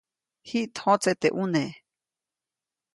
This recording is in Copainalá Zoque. Jiʼt jõtse teʼ ʼune.